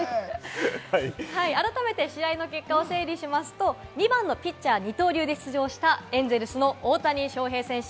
改めて試合の結果を整理しますと、２番・ピッチャーの二刀流で出場したエンゼルス・大谷翔平選手。